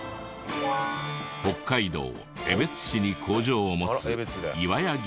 北海道江別市に工場を持つ岩谷技研。